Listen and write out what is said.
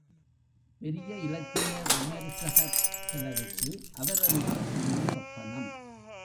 பெரிய இலக்கிய விமரிசகர்! சிலருக்கு அவர் என்றால், சிம்ம சொப்பனம்.